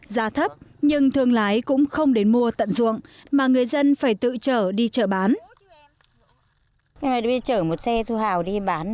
giá thấp nhưng thương lái cũng không đến mua tận ruộng mà người dân phải tự chở đi chợ bán